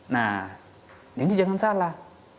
nah ini jangan salah